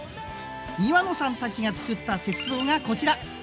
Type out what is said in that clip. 庭野さんたちが作った雪像がこちら！